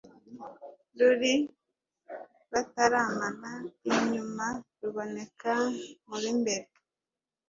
Ruri bataramana inyumaRuboneka mu b' imbere